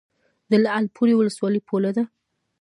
د لعل پورې ولسوالۍ پوله ده